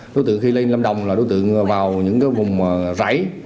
đối tượng khi lên lâm đồng là đối tượng vào những vùng rảy